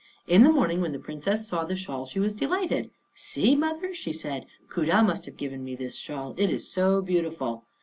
In the morning, when the Princess saw the shawl she was delighted. "See, mother," she said; "Khuda must have given me this shawl, it is so beautiful."